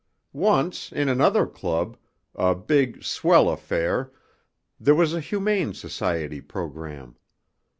Once in another club, a big, swell affair, there was a Humane Society programme.